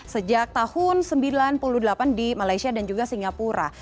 sejak tahun seribu sembilan ratus sembilan puluh delapan di malaysia dan juga singapura